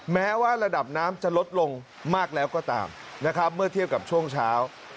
แม้ว่าระดับน้ำจะลดลงมากแล้วก็ตามนะครับเมื่อเทียบกับช่วงเช้า